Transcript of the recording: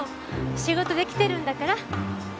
仕事で来てるんだから。